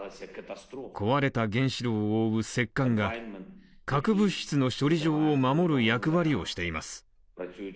壊れた原子炉を覆う石棺が核物質の処理場を守る役割をしています。